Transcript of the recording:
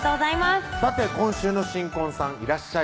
さて今週の新婚さんいらっしゃい！